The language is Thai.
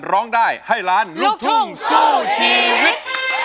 ร้องได้ให้ล้านลูกทุ่งสู้ชีวิต